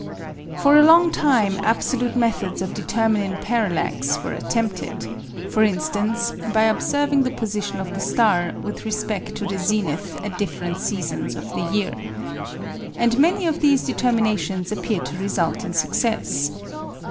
For a long time absolute methods of determining parallax were attempted; for instance, by observing the position of the star with respect to the zenith at different seasons of the year. And many of these determinations appeared to result in success.